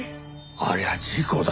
ありゃ事故だ。